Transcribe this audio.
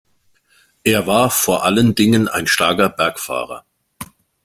Er war vor allen Dingen ein starker Bergfahrer.